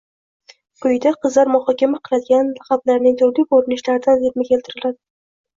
Quyida qizlar muhokama qiladigan laqablarning turli ko‘rinishlaridan terma keltiriladi.